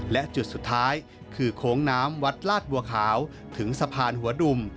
และจุดสุดท้ายคือโค้งน้ำวัดลาดบัวขาวถึงสะพานหัวดุ่ม